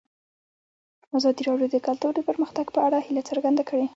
ازادي راډیو د کلتور د پرمختګ په اړه هیله څرګنده کړې.